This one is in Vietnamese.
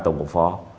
tổng cục phó